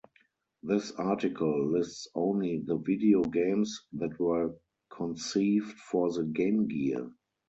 This article lists only the video games that were conceived for the Game Gear.